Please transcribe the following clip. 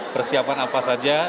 persiapan apa saja